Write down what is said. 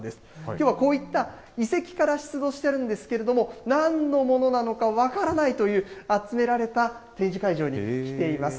きょうはこういった遺跡から出土してるんですけれども、なんのものなのか分からないという、集められた展示会場に来ています。